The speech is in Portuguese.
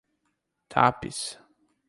Tapes